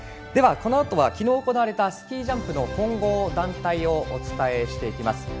では、このあとは昨日行われたスキージャンプの混合団体をお伝えしていきます。